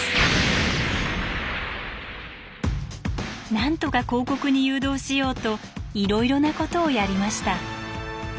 なんとか広告に誘導しようといろいろなことをやりました。